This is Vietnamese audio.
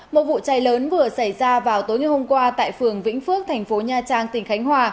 một vụ cháy lớn vừa xảy ra vào tối ngày hôm qua tại phường vĩnh phước thành phố nha trang tỉnh khánh hòa